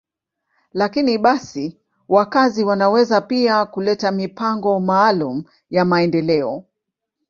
Lakini basi, wakazi wanaweza pia kuleta mipango maalum ya maendeleo.